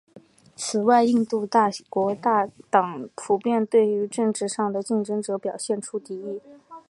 此外印度国大党普遍地对于政治上的竞争者表现出敌意。